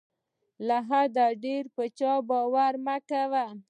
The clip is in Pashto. له حده ډېر په چا باور مه کوه.